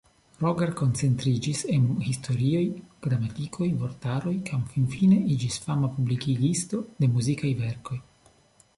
Roger koncentriĝis en historioj, gramatikoj, vortaroj kaj finfine iĝis fama publikigisto de muzikaj verkoj.